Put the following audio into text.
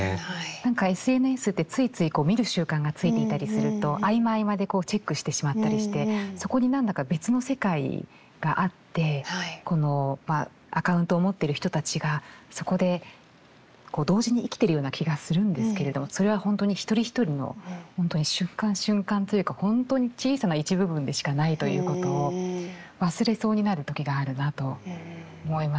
何かＳＮＳってついついこう見る習慣がついていたりすると合間合間でチェックしてしまったりしてそこに何だか別の世界があってこのアカウントを持っている人たちがそこで同時に生きているような気がするんですけれどもそれは本当に一人一人の本当に瞬間瞬間というか本当に小さな一部分でしかないということを忘れそうになる時があるなと思います。